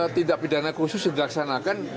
tindak pidana khusus dilaksanakan